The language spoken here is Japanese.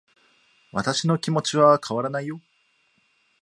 私の気持ちは変わらないよ